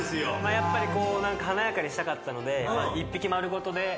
やっぱり華やかにしたかったので１匹丸ごとで作れるもの。